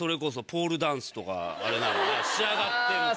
仕上がってるから。